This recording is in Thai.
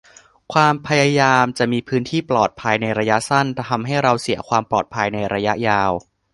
ความพยายามจะมีพื้นที่ "ปลอดภัย" ในระยะสั้น ทำให้เราเสียความปลอดภัยในระยะยาว